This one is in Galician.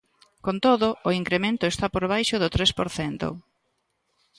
Con todo, o incremento está por baixo do tres por cento.